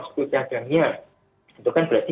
sebut cadangnya itu kan berarti